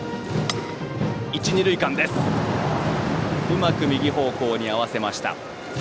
うまく右方向へ合わせました。